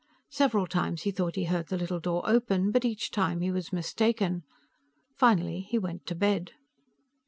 Several times he thought he heard the little door open, but each time he was mistaken. Finally he went to bed.